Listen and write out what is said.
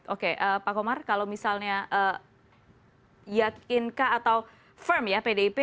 oke pak komar kalau misalnya yat inka atau firm ya pdp